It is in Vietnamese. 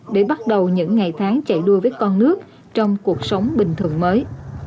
để bắt đầu những ngày tháng chạy đua với con nước trong cuộc sống bình thường mới